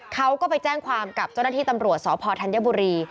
เขาก็ไปแจ้งความกับเจ้าหน้าที่ตำรวจสพธัญบุรี